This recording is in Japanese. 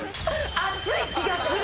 暑い気がする！